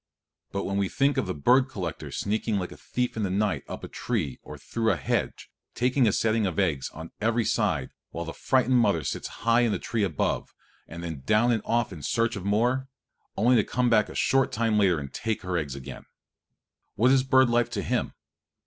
But when we think of the bird egg collector sneaking like a thief in the night up a tree or through a hedge, taking a setting of eggs on every side while the frightened mother sits high in the tree above, and then down and off in search of more, only to come back in a short time to take her eggs again what is bird life to him?